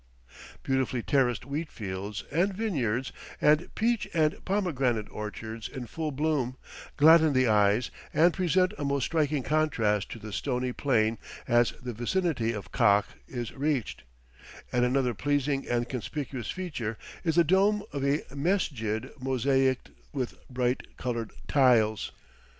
Beautifully terraced wheat fields and vineyards, and peach and pomegranate orchards in full bloom, gladden the eyes and present a most striking contrast to the stony plain as the vicinity of Kakh is reached, and another pleasing and conspicuous feature is the dome of a mesjid mosaicked with bright colored tiles.